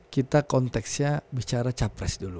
kita konteksnya bicara capres dulu